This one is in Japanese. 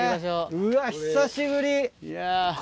うわ久しぶり。